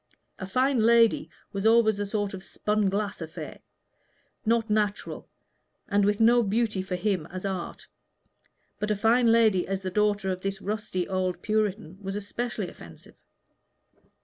A fine lady was always a sort of spun glass affair not natural, and with no beauty for him as art; but a fine lady as the daughter of this rusty old Puritan was especially offensive.